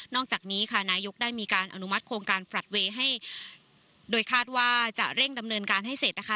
อกจากนี้ค่ะนายกได้มีการอนุมัติโครงการแฟลตเวย์ให้โดยคาดว่าจะเร่งดำเนินการให้เสร็จนะคะ